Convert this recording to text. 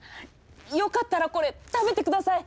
よかったらこれ食べてください。